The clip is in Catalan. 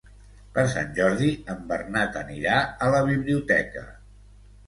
Per Sant Jordi en Bernat anirà a la biblioteca.